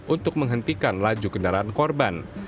untuk menghentikan laju kendaraan korban